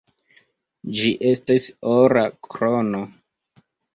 Ĝi estis ora krono.